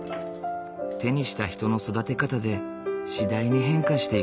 手にした人の育て方で次第に変化していく。